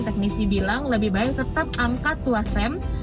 teknisi bilang lebih baik tetap angkat tuas rem